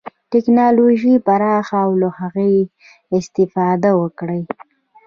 ټکنالوژي پراخه او له هغې استفاده وکړي.